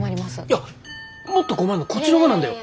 いやもっと困るのこっちの方なんだよ。